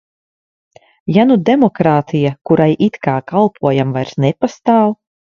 Ja nu demokrātija, kurai it kā kalpojam, vairs nepastāv?